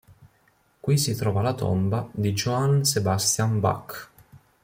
Qui si trova la tomba di Johann Sebastian Bach.